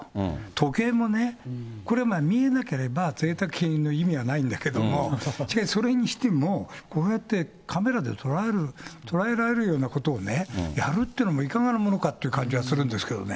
時計もね、これ、見えなければ、ぜいたく品の意味はないんだけども、しかし、それにしても、こうやってカメラで撮られる、捉えられるようなことをやるっていうのもいかがなものかという感じもするんですけどね。